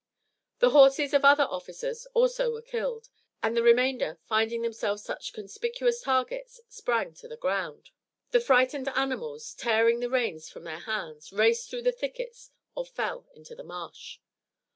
The horses of other officers also were killed, and the remainder, finding themselves such conspicuous targets, sprang to the ground. The frightened animals, tearing the reins from their hands, raced through the thickets or fell into the marsh.